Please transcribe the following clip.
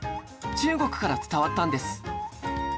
中国から伝わったんです